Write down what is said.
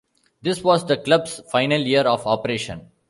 This was the club's final year of operation.